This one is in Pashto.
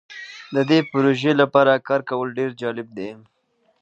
د دې پروژې لپاره کار کول ډیر جالب دی.